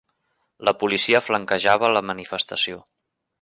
La policia flanquejava la manifestació.